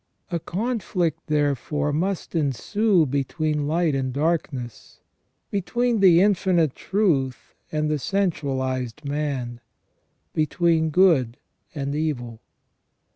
A conflict, therefore, must ensue between light and darkness, between the infinite truth and the sensualized man : between good and evil.